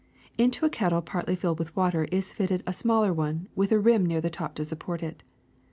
Into a kettle partly filled with water is fitted a smaller one with a rim near the top to support it.